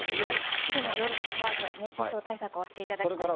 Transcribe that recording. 昼も夜も問わず、熱中症対策をしていただきたいと思います。